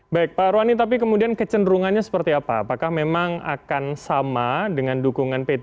baik pak ruani tapi kemudian kecenderungannya seperti apa apakah memang akan sama dengan dukungan p tiga